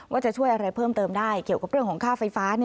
ว่าจะช่วยอะไรเพิ่มเติมได้เกี่ยวกับเรื่องของค่าไฟฟ้า